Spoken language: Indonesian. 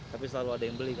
tapi selalu ada yang beli